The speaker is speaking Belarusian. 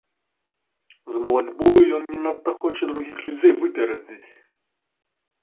З малацьбою ён не надта хоча другіх людзей выперадзіць.